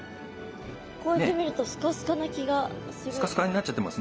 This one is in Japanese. こうやって見るとスカスカな気がする。